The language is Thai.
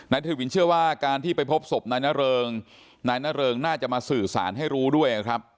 เทวินเชื่อว่าการที่ไปพบศพนายนเริงนายนเริงน่าจะมาสื่อสารให้รู้ด้วยนะครับ